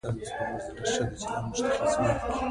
د مانا په رامنځته کولو کې پر سړي څرخېدونکې انګېرنې لټوي.